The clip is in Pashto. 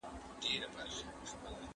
مجبورۍ پر خپل عمل کړلې پښېمانه